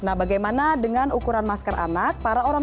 nah bagaimana dengan ukuran masker anak